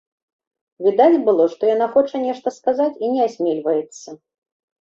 Відаць было, што яна хоча нешта сказаць і не асмельваецца.